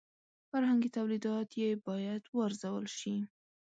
فرهنګي تولیدات یې باید وارزول شي.